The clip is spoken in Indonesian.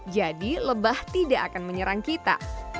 jadi lebah tidak akan menyerang kita